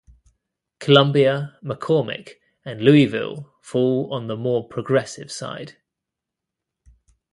Columbia, McCormick, and Louisville fall on the more progressive side.